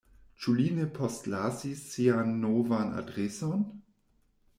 Ĉu li ne postlasis sian novan adreson?